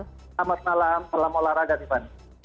selamat malam selamat malam olahraga